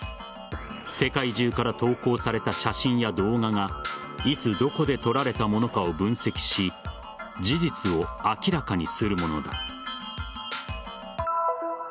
世界中から投稿された写真や動画がいつ、どこで撮られたものかを分析し事実を明らかにするものだ。